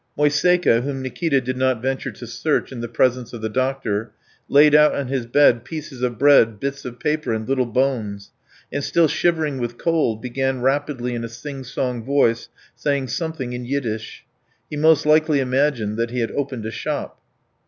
Moiseika, whom Nikita did not venture to search in the presence of the doctor, laid out on his bed pieces of bread, bits of paper, and little bones, and, still shivering with cold, began rapidly in a singsong voice saying something in Yiddish. He most likely imagined that he had opened a shop.